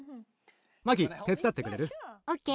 マキ手伝ってくれる？ＯＫ。